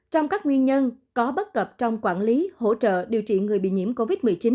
trong các nguyên nhân có bất cập trong quản lý hỗ trợ điều trị người bị nhiễm covid một mươi chín